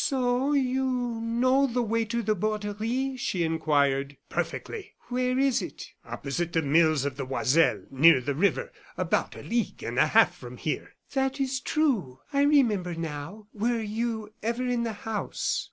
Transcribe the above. "So you know the way to the Borderie?" she inquired. "Perfectly." "Where is it?" "Opposite the mills of the Oiselle, near the river, about a league and a half from here." "That is true. I remember now. Were you ever in the house?"